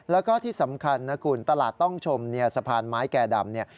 แล้วก็ที่สำคัญนะคุณตลาดต้องชมเนี่ยสะพานไม้แก่ดำเนี่ย